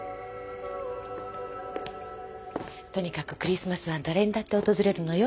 とにかくクリスマスは誰にだって訪れるのよ。